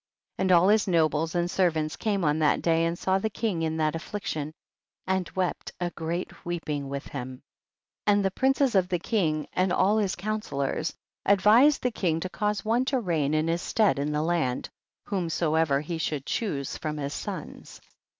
48. And all his nobles and ser vants came on that day and saw the king in that affliction, and wept a great weeping with him. 49. And tiie princes of the king and all his counsellors advised the king to cause one to reign in* his stead in the land, whomsoever he should choose from his sons.